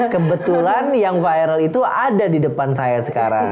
kebetulan yang viral itu ada di depan saya sekarang